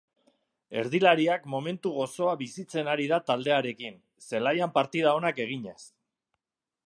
Erdilariak momentu gozoa bizitzen ari da taldearekin, zelaian partida onak eginez.